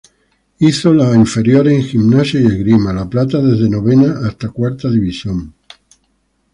Hizo las inferiores en Gimnasia y Esgrima La Plata desde novena hasta cuarta división.